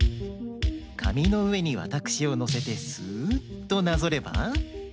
かみのうえにわたくしをのせてスッとなぞれば。